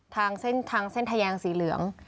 เส้นทางเส้นทะแยงสีเหลือง